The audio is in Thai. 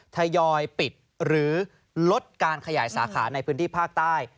ทยอยปิดหรือลดการขยายสาขาในพื้นที่ภาคใต้